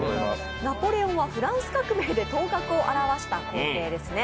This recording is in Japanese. ナポレオンはフランス革命で頭角を現した皇帝ですね。